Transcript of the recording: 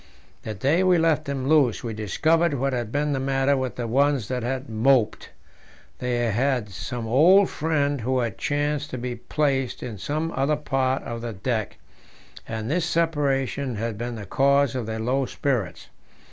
The day we let them loose we discovered what had been the matter with the ones that had moped: they had some old friend who had chanced to be placed in some other part of the deck, and this separation had been the cause of their low spirits.